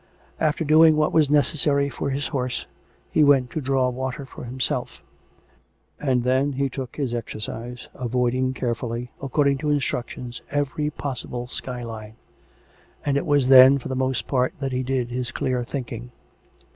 After doing what was necessary for his horse, he went to draw water for himself; and then took his exercise, avoiding carefully, according to instructions, every possible skyline. And it was then, for the most part, that he did his clear thinking.